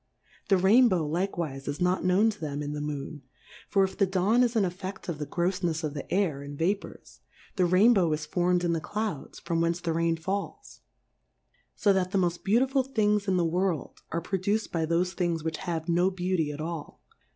The Rain bow likewife is not known to them in the Moon ; for if the Dawn is an effett of the groffnefs of the Air and Vapours, the Rainbow is form'd in the Clouds, from whence the Rain falls ; lb that the moft beautiful Things in the Worid, are produced by thofe Things which have no Beauty at all.